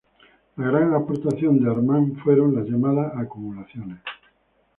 La gran aportación de Arman, fueron las llamadas "Acumulaciones".